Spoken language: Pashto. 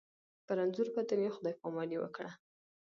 په رنځور بدن یې خدای پاماني وکړه.